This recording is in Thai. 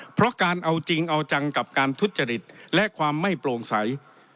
เพราะการเอาจริงเอาจังกับการทุจริตและความไม่โปร่งใส